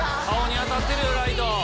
顔に当たってるよライト。